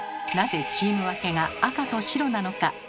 なぜチームわけが「赤」と「白」なのか？